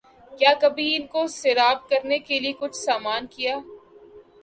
کیا کبھی ان کو سیراب کرنے کیلئے کچھ سامان کیا